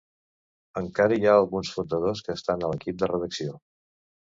Encara hi ha alguns fundadors que estan a l'equip de redacció.